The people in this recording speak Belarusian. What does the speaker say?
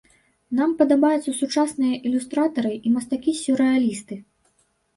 Нам падабаюцца сучасныя ілюстратары і мастакі-сюррэалісты.